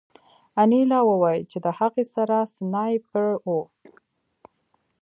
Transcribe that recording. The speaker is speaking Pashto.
انیلا وویل چې د هغه سره سنایپر و